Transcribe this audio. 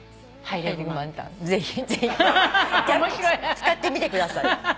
使ってみてください。